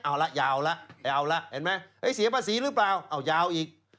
เอาล่ะยาวล่ะเห็นไหมเสียภาษีหรือเปล่ายาวอีก